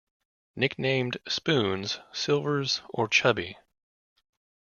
Nicknamed Spoons, Silvers or Chubby.